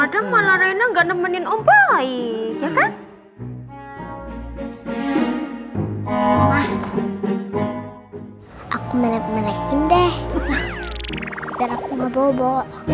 ada malah rina enggak nemenin om baik ya kan aku merek rekin deh berapa bobo